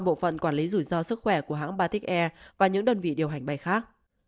bộ phận quản lý rủi ro sức khỏe của hãng batech air và những đơn vị điều hành bay khác